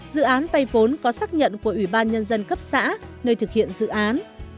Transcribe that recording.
dự án vây vốn có xác nhận của ủy ban nhân dân cấp xã nơi thực hiện dự án